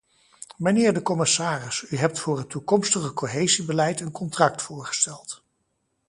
Mijnheer de commissaris, u hebt voor het toekomstige cohesiebeleid een contract voorgesteld.